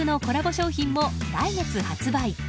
商品も来月発売。